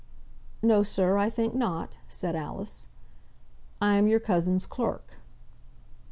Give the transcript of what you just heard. "No, sir; I think not," said Alice. "I am your cousin's clerk."